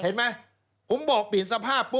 เห็นไหมผมบอกเปลี่ยนสภาพปุ๊